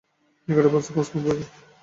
এগারোটা বাজতে পাঁচ মিনিট বাকি।